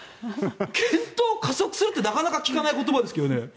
検討を加速するってなかなか聞かない言葉ですけどね。